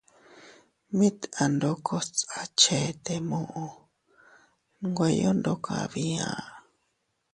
Mit andokos a chete muʼu nweyo ndokas bia.